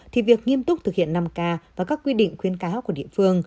thì việc nghiêm túc thực hiện năm k và các quy định khuyến cáo của địa phương